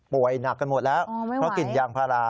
หนักกันหมดแล้วเพราะกลิ่นยางพารา